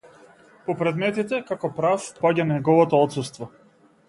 По предметите, како прав, паѓа неговото отсуство.